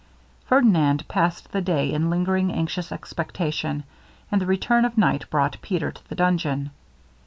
Ferdinand passed the day in lingering anxious expectation, and the return of night brought Peter to the dungeon.